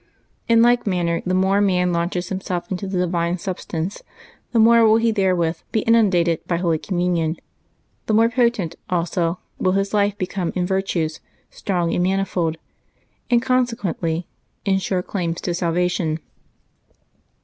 In like manner, the more man launches himself into the divine substance, the more will he therewith be inundated by Holy Communion ; the more potent, also, will his life become in virtues strong and manifold, and, con sequently, in sure claims to salvation.